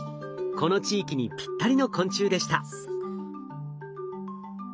この地域にぴったりの昆虫でした。